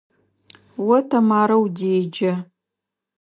О Тэмарэ удеджэ.